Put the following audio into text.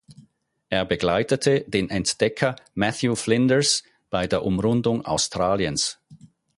Er begleitete den Entdecker Matthew Flinders bei der Umrundung Australiens.